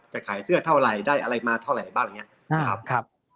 จะขายเสื้อเท่าไหร่ได้อะไรมาเท่าไหร่บ้างอย่างนี้นะครับ